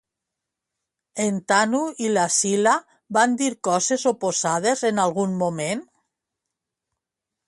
En Tanu i la Sila van dir coses oposades en algun moment?